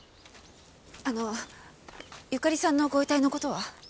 あのゆかりさんのご遺体の事は？